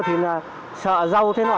thì là sợ rau thế nào